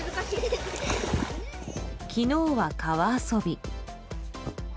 昨日は川遊び。